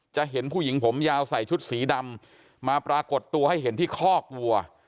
เห็นผู้หญิงผมยาวใส่ชุดสีดำมาปรากฏตัวให้เห็นที่คอกวัว